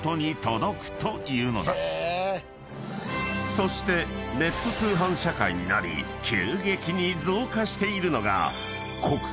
［そしてネット通販社会になり急激に増加しているのが］